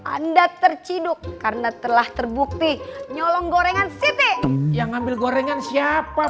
anda terciduk karena telah terbukti nyolong gorengan site yang ngambil gorengan siapa